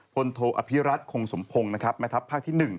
พบขงสมพงษ์นะครับปทน